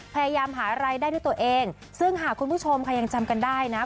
พยายามหารายได้ด้วยตัวเองซึ่งหากคุณผู้ชมค่ะยังจำกันได้นะ